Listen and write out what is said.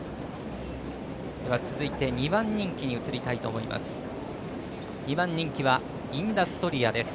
続いて２番人気に移りたいと思います。